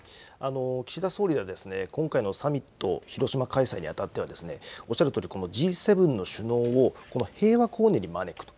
岸田総理は今回のサミット、広島開催にあたっては、おっしゃるとおりＧ７の首脳を平和公園に招くと。